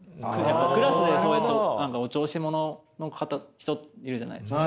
クラスでそうやってお調子者の人いるじゃないですか。